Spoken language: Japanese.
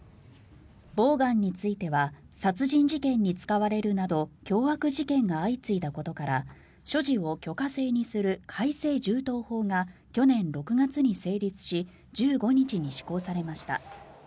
ボウガンについては殺人事件に使われるなど凶悪事件が相次いだことから所持を許可制にする改正銃刀法が去年６月に成立し１５日に施行されました。